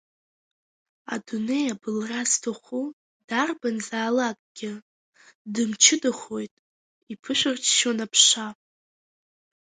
Адунеи абылра зҭаху дарбанзаалакгьы, дымчыдахоит, иԥышәырччон Аԥша.